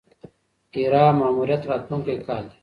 هیرا ماموریت راتلونکی کال دی.